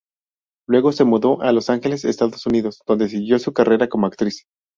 Luego se mudó a Los Ángeles, Estados Unidos, donde siguió su carrera como actriz.